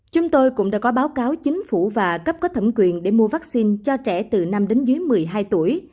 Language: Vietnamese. chúng tôi cũng đã có báo cáo chính phủ và cấp có thẩm quyền để mua vaccine cho trẻ từ năm đến dưới một mươi hai tuổi